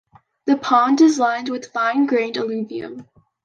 The pond is lined with fine-grained alluvium.